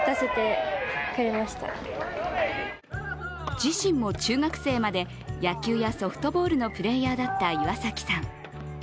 自身も中学生まで野球やソフトボールのプレーヤーだった岩崎さん。